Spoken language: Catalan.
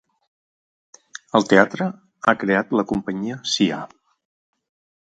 El teatre ha creat la companyia Cia.